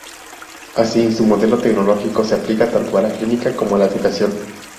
Así, su modelo tecnológico se aplica tanto a la clínica como a la educación.